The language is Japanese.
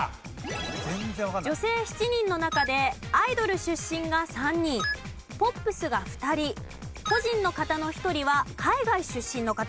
女性７人の中でアイドル出身が３人ポップスが２人故人の方の１人は海外出身の方。